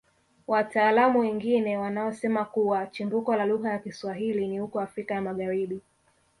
Wataalamu wengine wanaosema kuwa chimbuko la lugha ya Kiswahili ni huko Afrika ya Magharibi